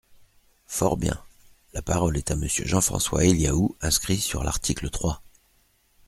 Fort bien ! La parole est à Monsieur Jean-François Eliaou, inscrit sur l’article trois.